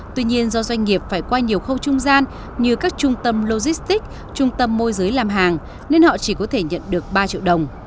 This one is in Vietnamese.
tuy nhiên do doanh nghiệp phải qua nhiều khâu trung gian như các trung tâm logistics trung tâm môi giới làm hàng nên họ chỉ có thể nhận được ba triệu đồng